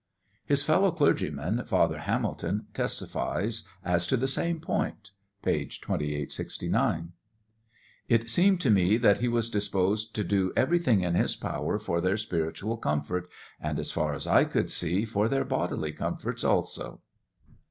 His fellow clergyman, Father Hamilton, testifies as to the same point, (page 2869:) It seemed to me that he was disposed to do everything in his power for their spiritual com fort, and, as far as I could see, for their bodily comforts also.